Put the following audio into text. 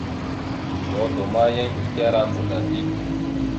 Dodo ma, yan ekará ndzəɗa dik.